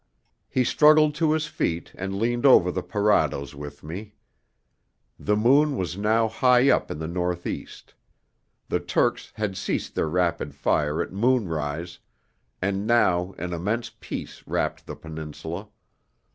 He struggled to his feet and leaned over the parados with me. The moon was now high up in the north east; the Turks had ceased their rapid fire at moonrise, and now an immense peace wrapped the Peninsula.